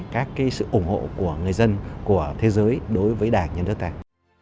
các cái sự ủng hộ của người dân của thế giới đối với đảng nhân đất tài